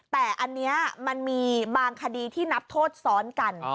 แต่อันนี้มันมีบางคดีที่นับโทษซ้อนกัน